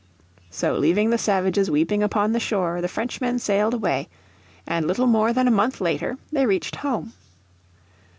So leaving the savages weeping upon the shore the Frenchmen sailed away, and little more than a month later they reached home.